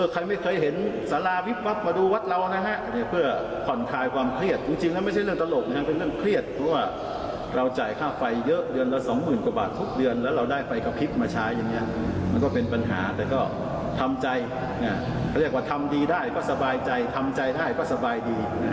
ก็เป็นปัญหาแต่ก็ทำใจเขาเรียกว่าทำดีได้ก็สบายใจทำใจได้ก็สบายดี